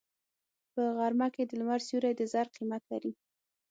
په غرمه کې د لمر سیوری د زر قیمت لري